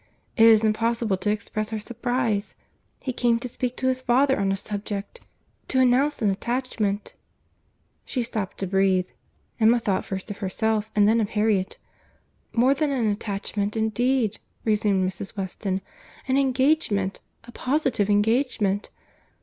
It is impossible to express our surprize. He came to speak to his father on a subject,—to announce an attachment—" She stopped to breathe. Emma thought first of herself, and then of Harriet. "More than an attachment, indeed," resumed Mrs. Weston; "an engagement—a positive engagement.